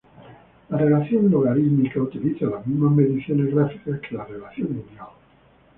La relación logarítmica utiliza las mismas mediciones gráficas que la relación lineal.